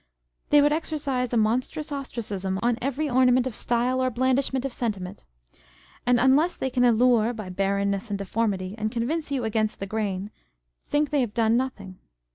They would exercise a monstrous ostracism on every ornament of style or blandishment of sentiment; and unless they can allure by barrenness and deformity, and convince you against the grain, think they have done nothing.